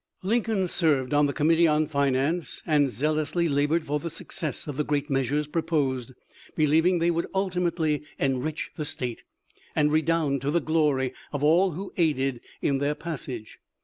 Lincoln served on the Committee on Finance, and zealously labored for the success of the great measures proposed, believing they would ultimately enrich the State, and redound to the glory of all who aided in their passage.